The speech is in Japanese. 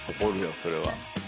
それは。